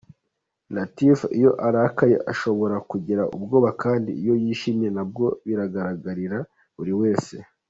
Latifah iyo arakaye ushobora kugira ubwoba kandi iyo yishimye nabwo bigaragarira buri wese.